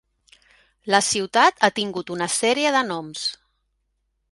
La ciutat ha tingut una sèrie de noms.